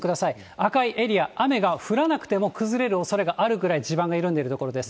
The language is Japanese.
赤いエリア、雨が降らなくても崩れるおそれがあるぐらい、地盤が緩んでいる所です。